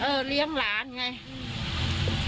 เกิดว่าจะต้องมาตั้งโรงพยาบาลสนามตรงนี้